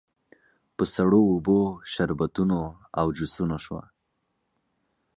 په سړو اوبو، شربتونو او جوسونو شوه.